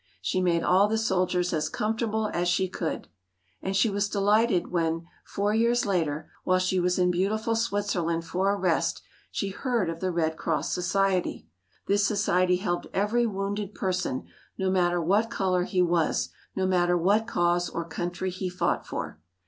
She made all the soldiers as comfortable as she could. And she was delighted when, four years later, while she was in beautiful Switzerland for a rest, she heard of the Red Cross Society. This society helped every wounded person, no matter what color he was, no matter what cause or country he fought for.